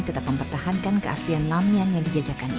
tetap mempertahankan keaslian lamian yang dijajakannya